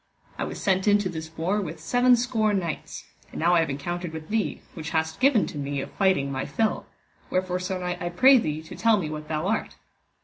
I was sent into this war with seven score knights, and now I have encountered with thee, which hast given to me of fighting my fill, wherefore sir knight, I pray thee to tell me what thou art.